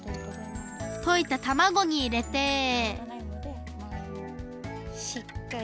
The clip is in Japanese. といたたまごにいれてしっかりと。